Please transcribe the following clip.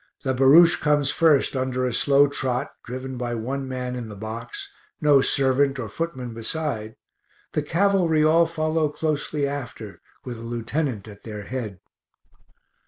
The barouche comes first under a slow trot, driven by one man in the box, no servant or footman beside; the cavalry all follow closely after with a lieutenant at their head.